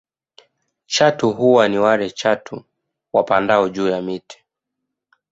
Chatu hawa ni wale chatu wapandao juu ya miti